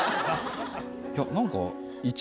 何か。